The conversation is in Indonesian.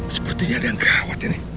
sepertinya ada yang khawatir ini